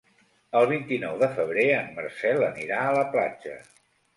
El vint-i-nou de febrer en Marcel anirà a la platja.